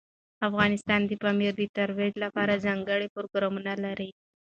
افغانستان د پامیر د ترویج لپاره ځانګړي پروګرامونه لري.